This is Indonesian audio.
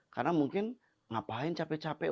karena mungkin ngapain capek capek